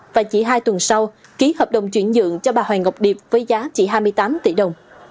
và chỉ hai tuần sau ký hợp đồng chuyển nhượng cho bà hoàng ngọc điệp với giá chỉ hai mươi tám tỷ đồng